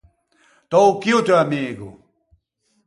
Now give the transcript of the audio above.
T’ô chì o teu amigo!